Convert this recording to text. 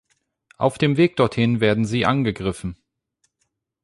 Auf dem Weg dorthin werden sie angegriffen.